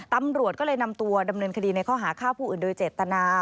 ตำรวจก็เลยนำตัวดำเนินคดีในข้อหาฆ่าผู้อื่นโดยเจตนา